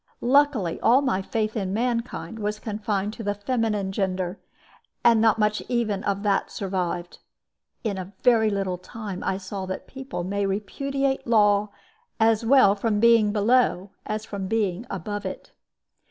Luckily all my faith in mankind was confined to the feminine gender, and not much even of that survived. In a very little time I saw that people may repudiate law as well from being below as from being above it.